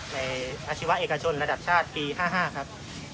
อาชีวะเอกชนระดับชาติปี๕๕ครับ